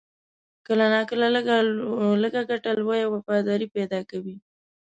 کله ناکله لږ ګټه، لویه وفاداري پیدا کوي.